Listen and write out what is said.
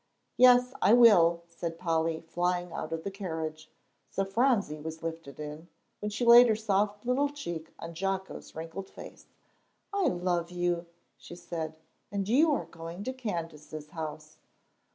"Yes, I will," said Polly, flying out of the carriage. So Phronsie was lifted in, when she laid her soft little cheek on Jocko's wrinkled face. "I love you," she said, "and you are going to Candace's house."